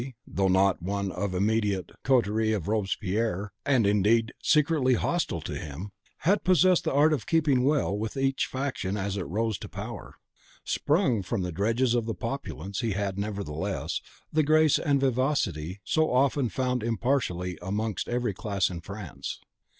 C , though not one of the immediate coterie of Robespierre, and indeed secretly hostile to him, had possessed the art of keeping well with each faction as it rose to power. Sprung from the dregs of the populace, he had, nevertheless, the grace and vivacity so often found impartially amongst every class in France.